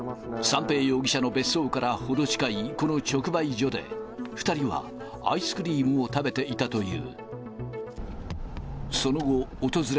三瓶容疑者の別荘から程近いこの直売所で、２人はアイスクリームを食べていたという。